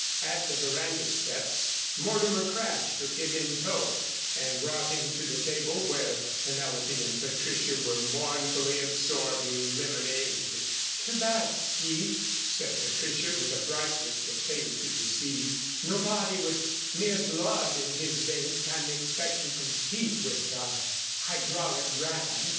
At the veranda steps Mortimer Crabb took him in tow and brought him to the table where Penelope and Patricia were mournfully absorbing lemonade. "Too bad, Steve," said Patricia with a brightness that failed to deceive. "Nobody with mere blood in his veins can expect to compete with a hydraulic ram.